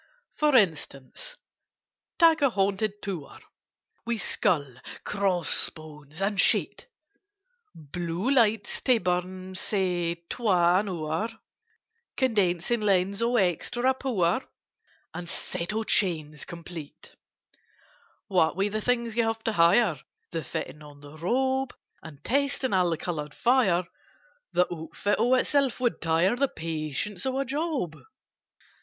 "For instance, take a Haunted Tower, With skull, cross bones, and sheet; Blue lights to burn (say) two an hour, Condensing lens of extra power, And set of chains complete: "What with the things you have to hire— The fitting on the robe— And testing all the coloured fire— The outfit of itself would tire The patience of a Job!